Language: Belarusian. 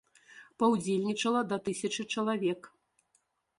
Паўдзельнічала да тысячы чалавек.